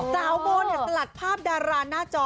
โบเนี่ยสลัดภาพดาราหน้าจอ